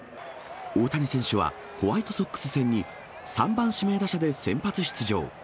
大谷選手はホワイトソックス戦に３番指名打者で先発出場。